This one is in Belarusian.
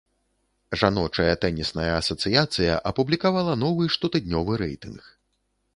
Жаночая тэнісная асацыяцыя апублікавала новы штотыднёвы рэйтынг.